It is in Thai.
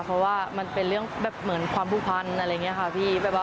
เพราะว่ามันเป็นเรื่องแบบเหมือนความผูกพันอะไรอย่างนี้ค่ะพี่